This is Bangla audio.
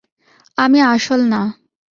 আমি আসল না।